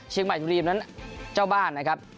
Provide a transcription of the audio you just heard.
เชียงใหม่ทุกรีมนั้นเจ้าบ้านนะครับ